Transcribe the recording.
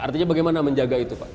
artinya bagaimana menjaga itu pak